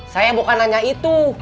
saya bukan nanya itu